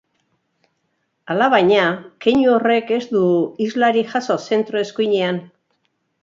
Alabaina, keinu horrek ez du islarik jaso zentro-eskuinean.